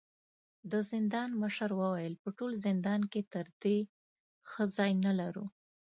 د زندان مشر وويل: په ټول زندان کې تر دې ښه ځای نه لرو.